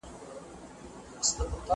ذهني سکون درناوی لوړوي.